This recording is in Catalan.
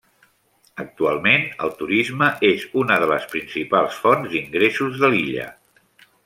Actualment el turisme és una de les principals fonts d'ingressos de l'illa.